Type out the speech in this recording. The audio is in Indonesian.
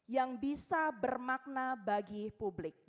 yang bisa bermakna bagi publik